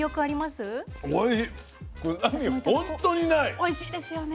おいしいですよね。